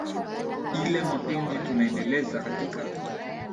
ile mapenzi tunaendeleza katika